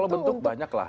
kalau bentuk banyak lah